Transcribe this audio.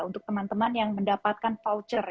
untuk teman teman yang mendapatkan voucher